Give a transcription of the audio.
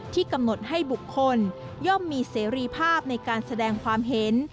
กำหนดให้บุคคลย่อมมีเสรีภาพในการแสดงความเห็น